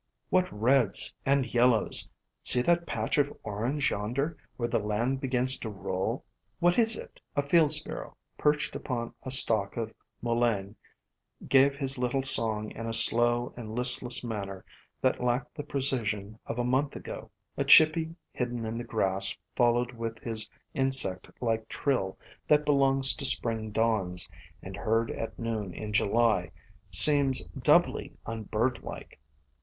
What reds and yellows! See that patch of orange yonder where the land begins to roll: what is it?" FLOWERS OF THE SUN 233 A field sparrow perched upon a stalk of Mul lein gave his little song in a slow and listless man ner that lacked the precision of a month ago. A chippy hidden in the grass followed with his insect like trill that belongs to Spring dawns, and, heard at noon in July, seems doubly unbirdlike.